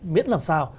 biết làm sao